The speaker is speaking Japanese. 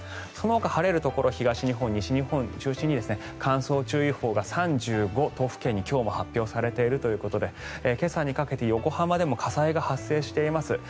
そのほか、晴れるところ西日本、東日本中心に乾燥注意報が３５都府県に今日も発表されているということで今朝にかけて横浜でも火災が発生しています。